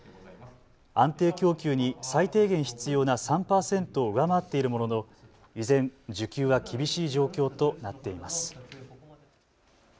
安定供給に最低限必要な３％を上回っているものの依然、需給は厳しい状況となっています。